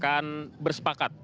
yang menyatakan bersepakat